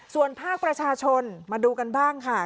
ส่วนภาคประชาชนมาดูกันบ้างค่ะ